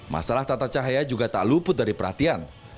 masalah tata cahaya juga tak luput dari perhatian